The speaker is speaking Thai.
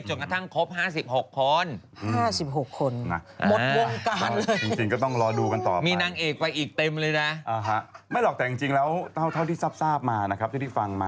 จนกระทั่งครบ๕๖คน